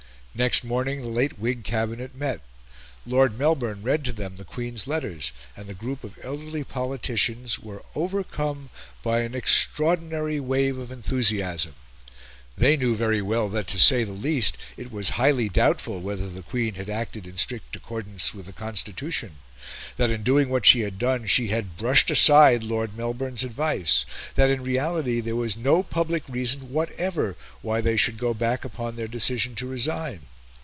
Next morning the late Whig Cabinet met. Lord Melbourne read to them the Queen's letters, and the group of elderly politicians were overcome by an extraordinary wave of enthusiasm. They knew very well that, to say the least, it was highly doubtful whether the Queen had acted in strict accordance with the constitution; that in doing what she had done she had brushed aside Lord Melbourne's advice; that, in reality, there was no public reason whatever why they should go back upon their decision to resign.